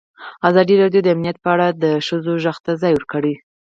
ازادي راډیو د امنیت په اړه د ښځو غږ ته ځای ورکړی.